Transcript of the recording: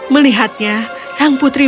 melihatnya sang putri berdiri